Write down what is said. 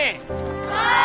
はい！